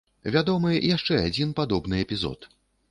Вядомы яшчэ адзін падобны эпізод.